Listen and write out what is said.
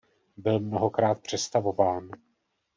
Byl mnohokrát přestavován.